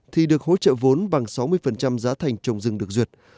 thì được hỗ trợ vốn bằng sáu mươi giá thành trồng rừng được duyệt